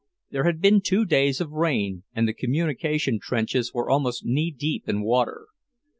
There had been two days of rain, and the communication trenches were almost knee deep in water.